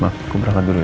ma gue berangkat dulu ya